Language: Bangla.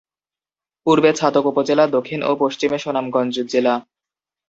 পূর্বে ছাতক উপজেলা, দক্ষিণ ও পশ্চিমে সুনামগঞ্জ জেলা।